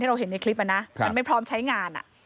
เราเห็นในคลิปนะมันไม่พร้อมใช้งาน